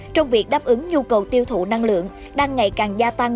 trong việc đáp ứng nhu cầu tiêu thụ năng lượng đang ngày càng gia tăng